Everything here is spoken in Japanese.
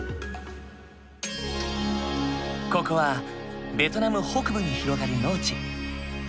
ここはベトナム北部に広がる農地。